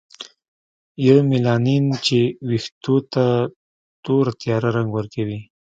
یومیلانین چې ویښتو ته تور تیاره رنګ ورکوي.